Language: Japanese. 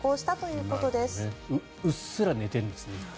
うっすら寝てるんですね。